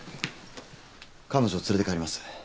彼女を連れて帰ります。